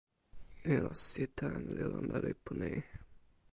ilo sitelen li lon e lipu ni.